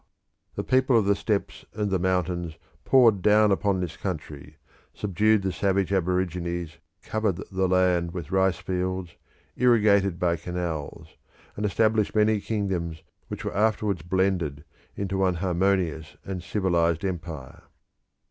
The people of the steppes and the mountains poured down upon this country, subdued the savage aborigines, covered the land with rice fields, irrigated by canals, and established many kingdoms which were afterwards blended into one harmonious and civilised empire.